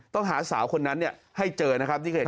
ต้องหาสาวคนนั้นเนี่ยให้เจอนะครับ